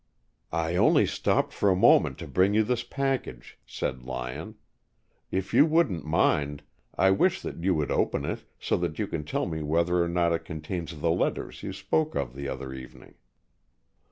"I only stopped for a moment, to bring you this package," said Lyon. "If you wouldn't mind, I wish that you would open it, so that you can tell me whether or not it contains the letters you spoke of the other evening."